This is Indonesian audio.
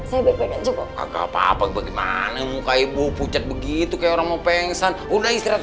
saya udah pengen aja kok apa apa bagaimana muka ibu pucat begitu kayak orang mau pengsan udah istirahat